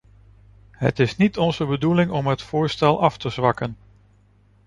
Het is niet onze bedoeling om het voorstel af te zwakken.